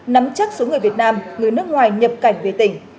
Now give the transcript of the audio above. nắm chắc số người việt nam người nước ngoài nhập cảnh về tỉnh